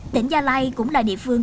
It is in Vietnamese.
tỉnh gia lai cũng là địa phương